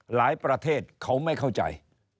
ประเทศเขาไม่เข้าใจ